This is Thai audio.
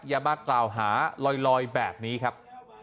อย่ามากล่าวหาลอยแบบนี้ครับ